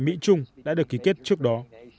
mỹ trung đã được ký kết trước đó